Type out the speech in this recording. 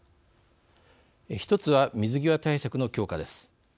１つは、水際対策の強化です。